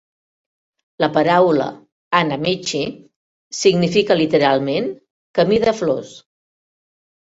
La paraula "hanamichi" significa literalment "camí de flors".